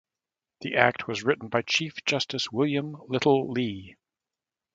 The Act was written by Chief Justice William Little Lee.